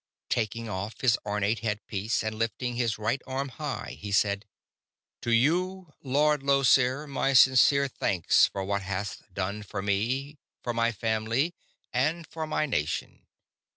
Taking off his ornate head piece and lifting his right arm high, he said: "To you, Lord Llosir, my sincere thanks for what hast done for me, for my family, and for my nation.